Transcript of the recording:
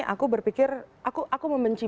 aku berpikir aku membenci